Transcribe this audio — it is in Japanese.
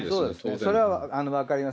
それは分かります。